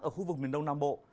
ở khu vực miền đông nam bộ